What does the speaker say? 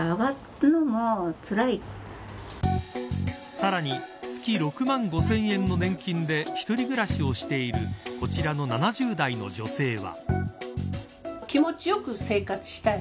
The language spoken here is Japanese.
さらに月６万５０００円の年金で１人暮らしをしているこちらの７０代の女性は。